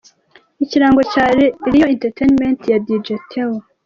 Ikirango cya Real Entertainement ya Dj Theo.